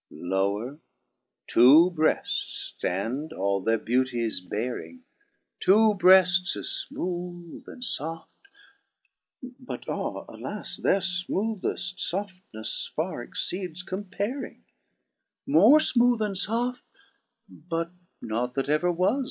9 Lower two breafts ftand, all their beauties bearing. Two breafts as fmooth and foft ; but, ah, alas ! Their fmootheft foftnes farre exceedes comparing ; More fmooth and foft, but naught that ever was.